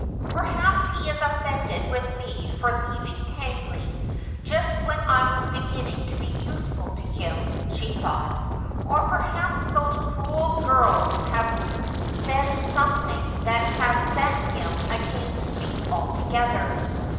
' Perhaps he is offended with me for leaving Tangley just when I was beginning to be useful to him,' she thought ; 'or perhaps those cruel girls have said something that has set him against me altogether.